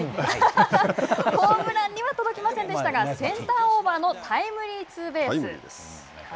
ホームランには届きませんでしたがセンターオーバーのタイムリーツーベース。